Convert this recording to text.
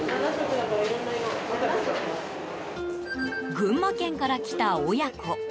群馬県から来た親子。